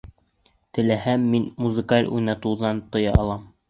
Теләһәм, мин музыканы уйнатыуҙан тыя алам!